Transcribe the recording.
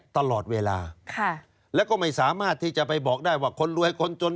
ตลอดเวลาแล้วก็ไม่สามารถที่จะไปบอกได้ว่าคนรวยคนจน